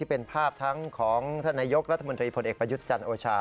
เป็นภาพทั้งของท่านนายกรัฐมนตรีพลเอกประยุทธ์จันทร์โอชา